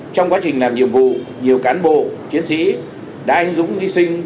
trong quá trình làm nhiệm vụ nhiều cán bộ chiến sĩ đã anh dũng hy sinh